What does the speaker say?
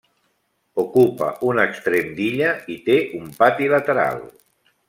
Ocupa un extrem d'illa i té un pati lateral.